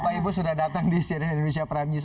bapak ibu sudah datang di cnn indonesia prime news